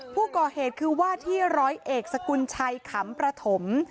ผู้ก่อเหตุคือว่าที่ร้อยเอกสกุลชัยขำประถม